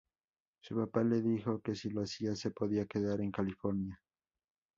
Su papá le dijo que si lo hacía, se podía quedar en California.